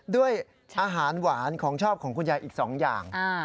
ด้วยอาหารหวานของชอบของคุณยายอีก๒อย่าง